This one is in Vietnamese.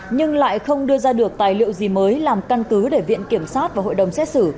nhưng lại không đưa ra được tài liệu gì mới làm căn cứ để viện kiểm sát và hội đồng xét xử